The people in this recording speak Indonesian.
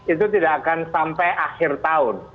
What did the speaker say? itu tidak akan sampai akhir tahun